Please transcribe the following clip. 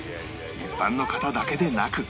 一般の方だけでなく